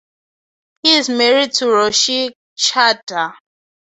He is married to Roshi Chadha.